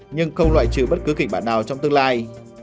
nhưng không loại trừ bất cứ kịch bản nào trong tương lai